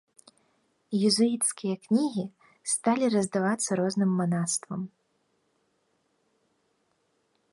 Езуіцкія кнігі сталі раздавацца розным манаства.